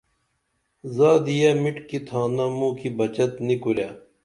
زادیہ مِٹِکی تھانہ موں کی بچت نی کُرے